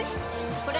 これ！